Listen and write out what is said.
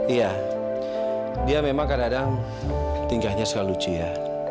iya dia memang kadang kadang tingkahnya suka lucu ya